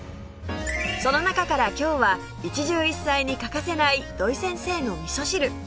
その中から今日は一汁一菜に欠かせない土井先生の味噌汁